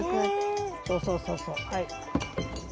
そうそうそうそう。